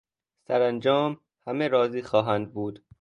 سرانجام همه راضی خواهند بود.